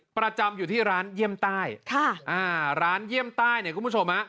ประจำอยู่ที่ร้านเยี่ยมใต้ค่ะอ่าร้านเยี่ยมใต้เนี่ยคุณผู้ชมฮะ